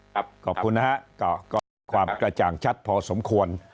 ขอบคุณนะฮะก็มีความกระจ่างชัดพอสมควร